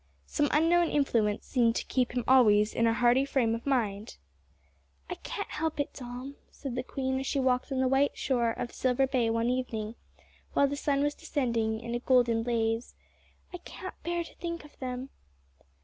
Some unknown influence seemed to keep him always in a hearty frame of mind. "I can't help it, Dom," said the queen, as she walked on the white shore of Silver Bay one evening while the sun was descending in a golden blaze, "I can't bear to think of them."